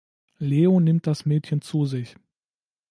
Leo nimmt das Mädchen zu sich.